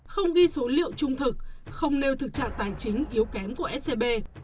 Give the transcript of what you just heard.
không ghi số liệu trung thực không nêu thực trạng tài chính yếu kém của scb